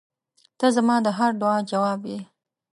• ته زما د هر دعا جواب یې.